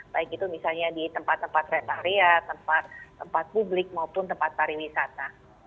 baik itu misalnya di tempat tempat retaria tempat publik maupun tempat tari wisata